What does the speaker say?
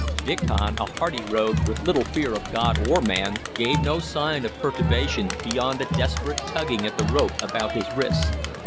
Diccon, a hardy rogue, with little fear of God or man, gave no sign of perturbation beyond a desperate tugging at the rope about his wrists.